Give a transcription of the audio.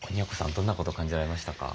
どんなことを感じられましたか？